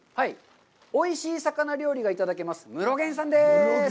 おいしい魚料理がいただけます、室玄さんです。